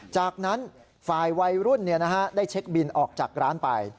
จากนั้นฝ่ายวัยรุ่นได้เช็คบินออกจากร้านไป